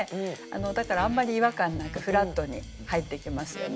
だからあんまり違和感なくフラットに入ってきますよね。